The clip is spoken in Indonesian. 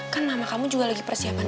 kan nama kamu juga lagi persiapan